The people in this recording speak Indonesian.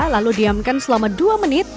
lalu diamkan selama dua menit